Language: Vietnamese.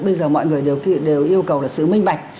bây giờ mọi người đều yêu cầu là sự minh bạch